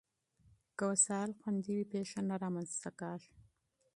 که وسایل خوندي وي، پېښه نه رامنځته کېږي.